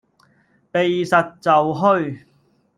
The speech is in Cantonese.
避實就虛